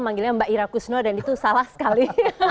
manggilnya mbak ira kusno dan itu salah sekali